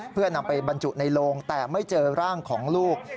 เพื่อนำไปบรรจุในโลงแต่ไม่เจอร่างของลูก